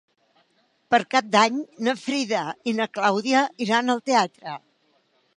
Per Cap d'Any na Frida i na Clàudia iran al teatre.